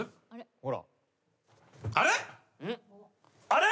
あれ？